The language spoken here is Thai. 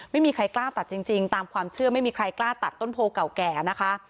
ไม่มีใครกล้าตัดจริงตามความเชื่อไม่มีใครกล้าตัดต้นโพเก่าแก่นะคะ